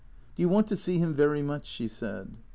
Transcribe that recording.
" Do you want to see him very much ?" she said.